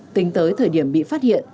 tính tới thời điểm bị phát hiện